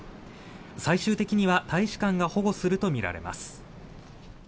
最終的には大使館が保護するとみられます。